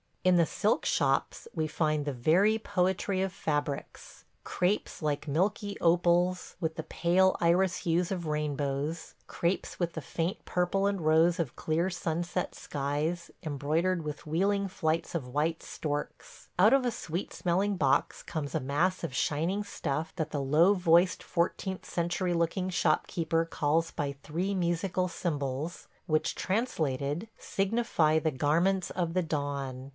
In the silk shops we find the very poetry of fabrics: ... crapes like milky opals, with the pale iris hues of rainbows; crapes with the faint purple and rose of clear sunset skies, embroidered with wheeling flights of white storks. Out of a sweet smelling box comes a mass of shining stuff that the low voiced fourteenth century looking shopkeeper calls by three musical syllables, which, translated, signify the Garments of the Dawn.